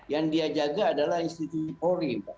yang dia jaga adalah institusi polri